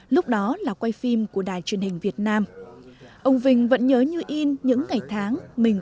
lúc đó là quay phim của đài truyền hình việt nam ông vinh vẫn nhớ như in những ngày tháng mình